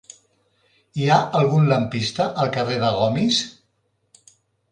Hi ha algun lampista al carrer de Gomis?